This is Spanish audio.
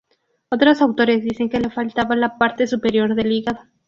Otros autores dicen que le faltaba la parte superior del hígado.